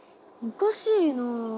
おかしいな。